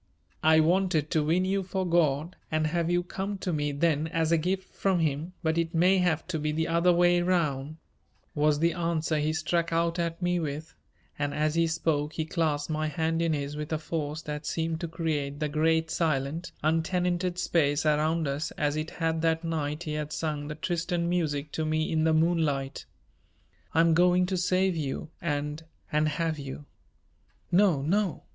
"I wanted to win you for God and have you come to me then as a gift from Him, but it may have to be the other way round," was the answer he struck out at me with, and as he spoke he clasped my hand in his with a force that seemed to create the great silent, untenanted space around us as it had that night he had sung the Tristan music to me in the moonlight. "I'm going to save you and and have you." "No, no!"